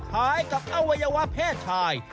คล้ายกับอวัยวะเพศชาย